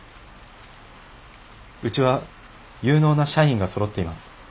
うちは有能な社員がそろっています。